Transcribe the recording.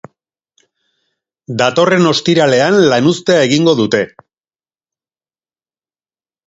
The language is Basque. Datorren ostiralean lanuztea egingo dute.